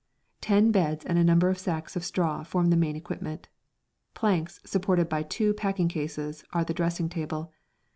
Ten beds and a number of sacks of straw form the main equipment. Planks, supported by two packing cases, are the dressing table.